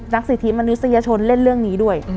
สิทธิมนุษยชนเล่นเรื่องนี้ด้วย